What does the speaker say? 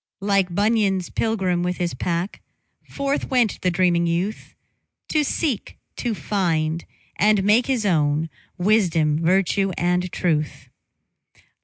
] LIKE Bunyan's pilgrim with his pack, Forth went the dreaming youth To seek, to find, and make his own Wisdom, virtue, and truth.